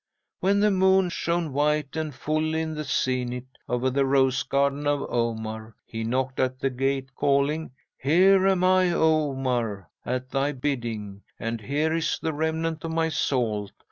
When the moon shone white and full in the zenith over the Rose Garden of Omar, he knocked at the gate, calling: "Here am I, Omar, at thy bidding, and here is the remnant of my salt.